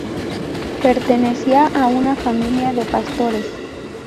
Pertenecía a una familia de pastores.